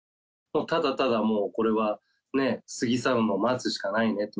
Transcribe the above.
ただただもう、これは過ぎ去るのを待つしかないねと。